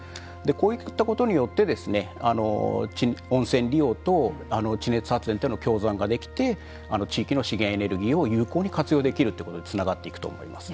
こういったことによって温泉利用と地熱発電との共存ができて地域の資源エネルギーを有効に活用できるということにつながっていくと思います。